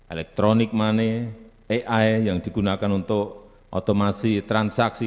electronic money ai yang digunakan untuk otomasi transaksi